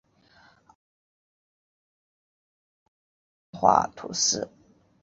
阿尔让河畔皮热人口变化图示